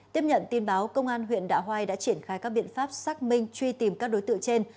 tiếp nhận tin báo công an huyện đạ hoai đã triển khai các biện pháp xác minh truy tìm các đối tượng trên